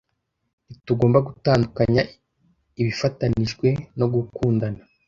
Ntitugomba gutandukanya ibifatanijwe no gukundana